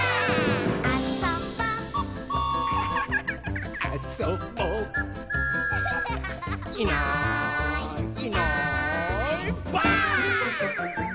「あそぼ」「あそぼ」「いないいないばあっ！」